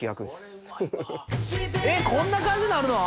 えっこんな感じになるの？